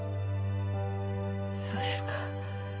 そうですか。